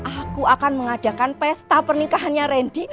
aku akan mengadakan pesta pernikahannya randy